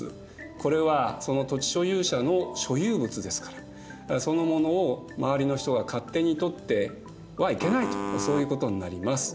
これはその土地所有者の所有物ですからそのものを周りの人が勝手に取ってはいけないとそういうことになります。